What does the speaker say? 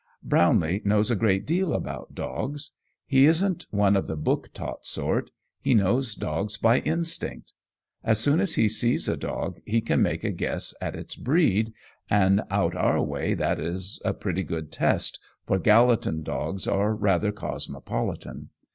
Brownlee knows a great deal about dogs. He isn't one of the book taught sort; he knows dogs by instinct. As soon as he sees a dog he can make a guess at its breed, and out our way that is a pretty good test, for Gallatin dogs are rather cosmopolitan.